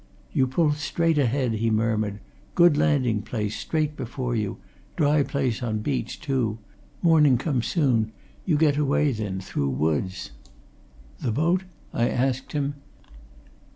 "You pull straight ahead," he murmured. "Good landing place straight before you: dry place on beach, too morning come soon; you get away then through woods." "The boat?" I asked him.